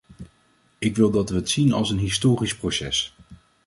Ik wil dat we het zien als een historisch proces.